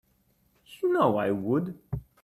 You know I would.